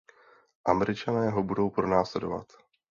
Američané ho budou pronásledovat.